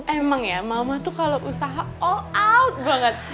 emang ya mama tuh kalo usaha all out banget